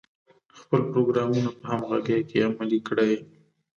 خپل پروګرامونه په همغږۍ کې عملي کړي.